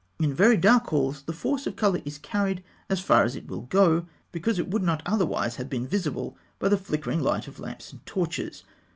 In very dark halls the force of colour is carried as far as it will go, because it would not otherwise have been visible by the flickering light of lamps and torches.